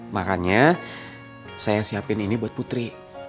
makanya saya siapin ini buat putri